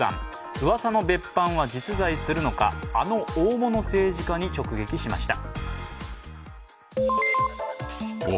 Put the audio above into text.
うわさの別班は実在するのかあの大物政治家に直撃しました。